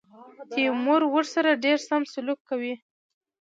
تیمور ورسره ډېر سم سلوک کوي.